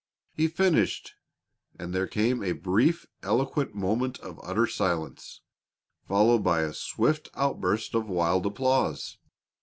He finished, and there came a brief, eloquent moment of utter silence, followed by a swift outburst of wild applause.